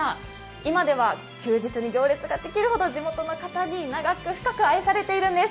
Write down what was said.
今では休日に行列ができるほど地元の方に長く深く愛されているんです。